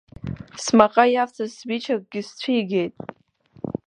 Смаҟа иавҵаз сбичақгьы сцәигеит.